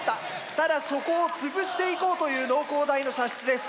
ただそこを潰していこうという農工大の射出です。